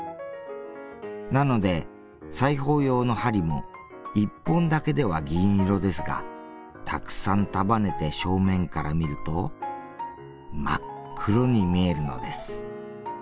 なので裁縫用の針も一本だけでは銀色ですがたくさん束ねて正面から見ると真っ黒に見えるのです。